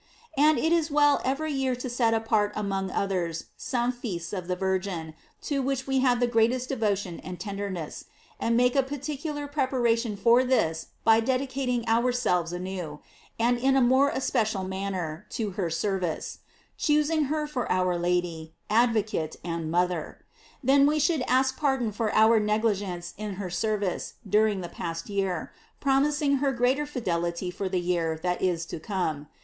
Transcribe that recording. And it is well every year to set apart among others some feasts of the Virgin, to which we have the greatest devotion arid ten derness, and make a particular preparation for this by dedicating ourselves anew, and in a more * To. 2, tr. 6, prat. 6. t Venite, comedite panem menm, et bibite vinum quod miscui vobis. GLORIES OF MAKY. 653 especial manner, to her service; choosing her for our Lady, advocate, and mother.! Then we should ask pardon for our negligence in her service during the past year, promising her greater fidelity for the year that is to come.